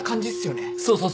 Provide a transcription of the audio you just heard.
そうそうそうそう。